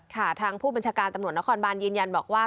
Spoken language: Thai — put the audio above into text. ทางผู้บัญชาการตำรวจนครบานยืนยันบอกว่า